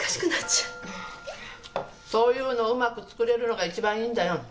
そういうのをうまく作れるのが一番いいんだよ。